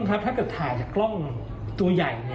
ถ้าเกิดถ่ายจากกล้องตัวใหญ่